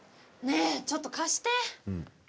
ねえ、ちょっと貸して。